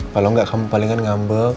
kalau gak kamu palingan gak bisa menangis ya